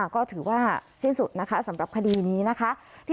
ก็ถือว่าสิ้นสุดนะคะสำหรับคดีนี้นะคะ